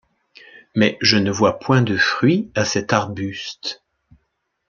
Mais je ne vois point de fruit à cet arbuste